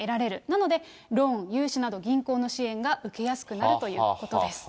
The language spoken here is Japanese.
なのでローン、融資など、銀行の支援が受けやすくなるということです。